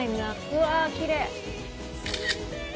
うわあ、きれい。